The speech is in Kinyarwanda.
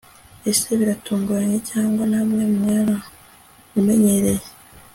Ese biratunguranye cyangwa namwe mwaramumenyereye